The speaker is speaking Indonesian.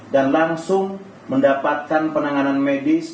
dan langsung mendapatkan penanganan medis